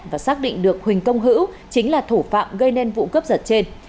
và xác định được huỳnh công hữu chính là thủ phạm gây nên vụ cướp giật trên